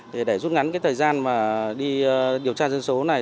thì để rút ngắn cái thời gian mà đi điều tra dân số này